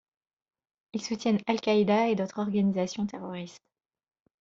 Ils soutiennent Al-Qaïda et d'autres organisations terroristes.